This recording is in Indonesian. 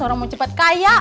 orang mau cepet kaya